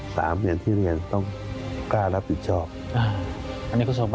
ฝามสมุดอย่างที่เรียนต้องกล้ารับผิดชอบ